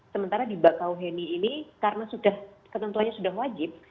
sementara di bakau heni ini karena sudah ketentuanya sudah wajib